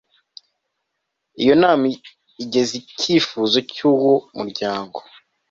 iyo nama igeza icyifuzo cy'uwo munyamuryango